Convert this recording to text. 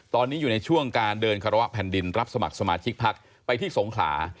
ตอนนี้อยู่ในช่วงการเดินคารวะแผ่นดินรับสมัครสมาชิกพักไปที่สงขลา